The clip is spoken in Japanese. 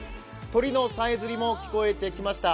鳥のさえずりも聞こえてきました。